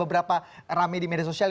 beberapa rame di media sosial